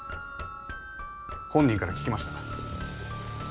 本人から聞きました。